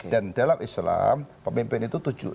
dan dalam islam pemimpin itu tujuh